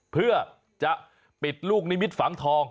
เพื่อจะปิดลูกนิมิตฝังทอง